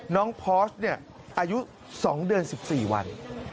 น้องพอร์สเนี่ยอายุ๒เดือน๑๔วัน